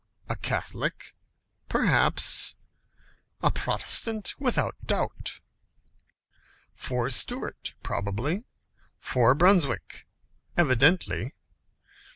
a Catholic, perhaps; a Protestant, without doubt. For Stuart, probably; for Brunswick, evidently.